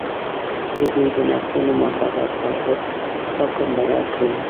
د دوی د نسلونو مفادات په غوڅ حکم بدل کړي.